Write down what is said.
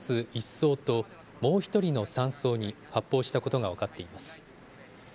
曹ともう１人の３曹に発砲したことが分かっています。